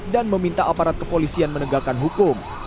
dan meminta aparat kepolisian menegakkan hukum